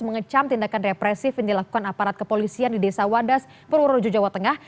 mengecam tindakan represif yang dilakukan aparat kepolisian di desa wadas purworejo jawa tengah